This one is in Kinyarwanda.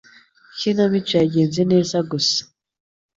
Ikinamico yagenze neza gusa.